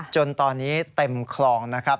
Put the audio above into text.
จนตอนนี้เต็มคลองนะครับ